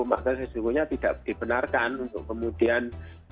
maka sesungguhnya tidak dibenarkan untuk kemudian